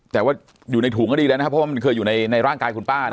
แต่ว่าอยู่ในถุงก็ดีแล้วนะครับเพราะว่ามันเคยอยู่ในร่างกายคุณป้านะ